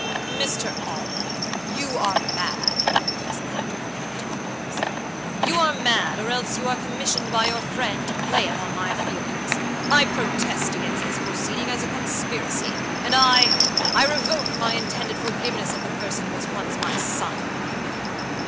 "Mr. Audley, you are mad!" exclaimed Harcourt Talboys; "you are mad, or else you are commissioned by your friend to play upon my feelings. I protest against this proceeding as a conspiracy, and II revoke my intended forgiveness of the person who was once my son!"